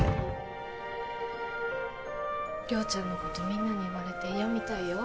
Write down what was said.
亮ちゃんのことみんなに言われて嫌みたいよ